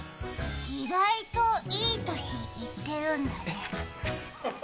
意外といい年、いってるんだね。